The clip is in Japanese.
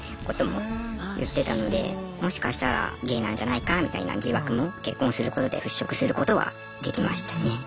もしかしたらゲイなんじゃないかみたいな疑惑も結婚することで払拭することはできましたね。